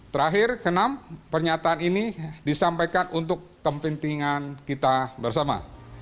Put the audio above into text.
terakhir kenam pernyataan ini disampaikan untuk kepentingan kita bersama